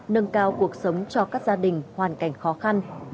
nâng cao cuộc sống cho các gia đình hoàn cảnh khó khăn